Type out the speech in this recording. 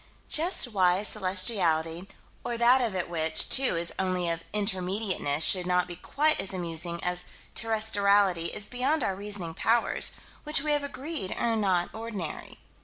Just why celestiality, or that of it which, too, is only of Intermediateness should not be quite as amusing as terrestriality is beyond our reasoning powers, which we have agreed are not ordinary.